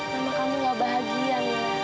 mama kamu tidak bahagia mila